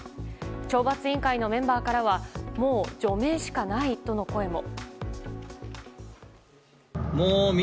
懲罰委員会のメンバーからはもう除名しかないとの声も。